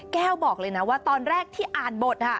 บอกเลยนะว่าตอนแรกที่อ่านบท